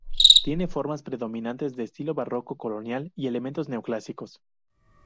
Tiene formas predominantes del estilo barroco colonial y elementos neoclásicos.